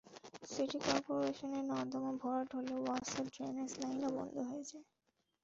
City করপোরেশনের নর্দমা ভরাট হলে ওয়াসার ড্রেনেজ লাইনও বন্ধ হয়ে যায়।